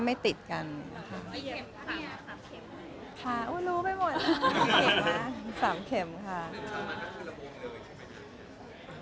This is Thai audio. มินทาสนไม่ได้ขึ้นระบมเลยใช่มั้ยกัน